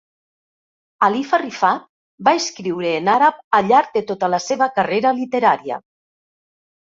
Alifa Rifaat va escriure en àrab al llarg de tota la seva carrera literària.